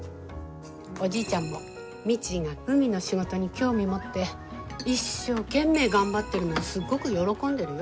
おじいちゃんも未知が海の仕事に興味持って一生懸命頑張ってるのすっごく喜んでるよ？